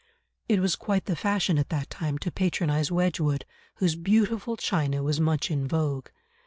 It was quite the fashion at that time to patronise Wedgwood, whose beautiful china was much in vogue.